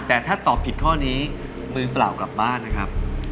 แต่ถ้าตอบผิดข้อนี้มือเปล่ากลับบ้านนะครับ